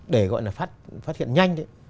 để gọi là phát hiện nhanh